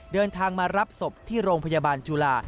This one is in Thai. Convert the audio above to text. เดินทางมารับศพที่โรงพยาบาลจุฬา